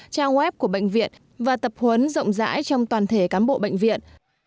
trang web của bệnh viện và tập huấn rộng rãi trong toàn thể cán bộ bệnh viện